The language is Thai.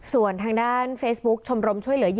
ส่วนทางด้านเฟซบุ๊คชมรมช่วยเหลือเหยื